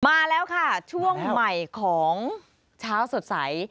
มาแล้วค่ะช่วงใหม่ของเช้าสดใส